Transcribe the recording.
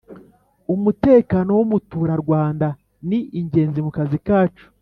Umutekano wumuturarwanda ni ingenzi mukazi kacu